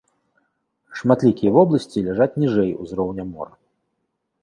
Шматлікія вобласці ляжаць ніжэй узроўня мора.